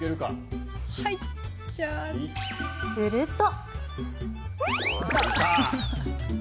すると。